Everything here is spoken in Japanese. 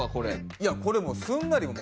いやこれもうすんなりよ。